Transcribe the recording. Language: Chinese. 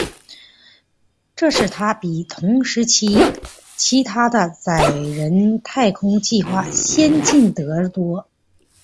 这使它比同时期其它的载人太空计划先进得多。